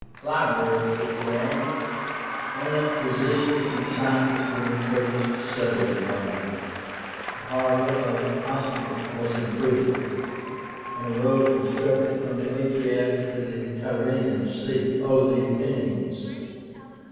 Libraries were formed. Eminent physicians and scientists were encouraged to settle in Rome. The harbor of Ostia was improved, and a road constructed from the Adriatic to the Tyrrhenian Sea, over the Apennines.